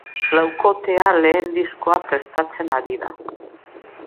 Laukotea lehen diskoa prestatzen ari da.